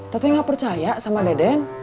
teteh enggak percaya sama deden